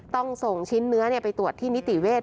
ต้องส่งชิ้นเนื้อไปตรวจที่นิติเวศ